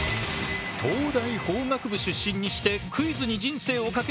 東大法学部出身にしてクイズに人生を懸ける男